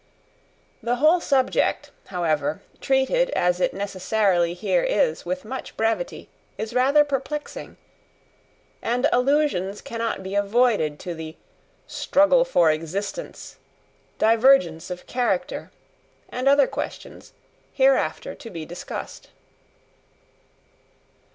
The whole subject, however, treated as it necessarily here is with much brevity, is rather perplexing, and allusions cannot be avoided to the "struggle for existence," "divergence of character," and other questions, hereafter to be discussed.